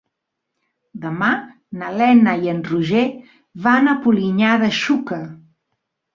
Demà na Lena i en Roger van a Polinyà de Xúquer.